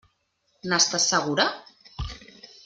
N'estàs segura?